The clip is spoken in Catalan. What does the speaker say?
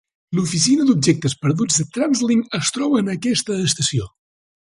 L'oficina d'objectes perduts de TransLink es troba en aquesta estació.